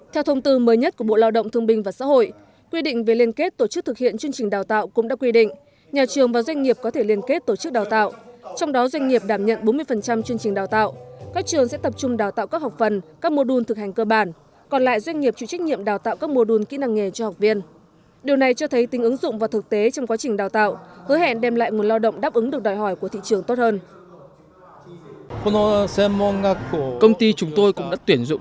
theo thông tư mới nhất của bộ lao động thương binh và xã hội quy định về liên kết tổ chức thực hiện chương trình đào tạo cũng đã quy định nhà trường và doanh nghiệp có thể liên kết tổ chức đào tạo trong đó doanh nghiệp đảm nhận bốn mươi chương trình đào tạo các trường sẽ tập trung đào tạo các học phần các mô đun thực hành cơ bản còn lại doanh nghiệp chủ trách nhiệm đào tạo các mô đun kỹ năng nghề cho học viên điều này cho thấy tính ứng dụng và thực tế trong quá trình đào tạo hứa hẹn đem lại nguồn lao động đáp ứng được đòi hỏi của thị trường